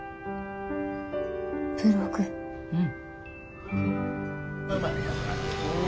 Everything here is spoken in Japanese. うん。